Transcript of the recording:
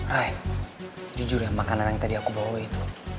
rai jujur ya makanan yang tadi aku bawa itu